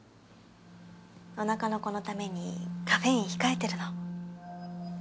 お腹の子のためにカフェイン控えてるの。